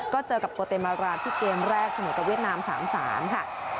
ก็เจอกับโกเตมาราที่เกมแรกเสมอกับเวียดนาม๓๓ค่ะ